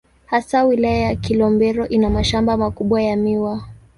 Hasa Wilaya ya Kilombero ina mashamba makubwa ya miwa.